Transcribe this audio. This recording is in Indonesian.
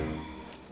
kalau dia kerja